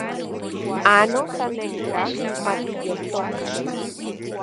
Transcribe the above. Ano sanenka matiyoltokan